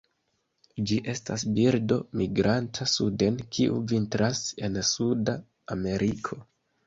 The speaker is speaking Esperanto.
Ĝi estas birdo migranta suden kiu vintras en Suda Ameriko.